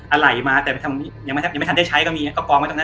อะไหล่มาแต่ไม่ทันได้ใช้ก็มีก็กรองไว้ตรงนั้นอ่ะ